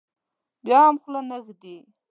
بیا هم خوله نه درېږي.